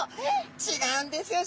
違うんですよ